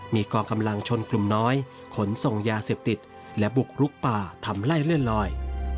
มีกองกำลังชนกลุ่มน้อยขนส่งยาเสพติดและบุกรุกป่าทำไล่เลื่อนลอย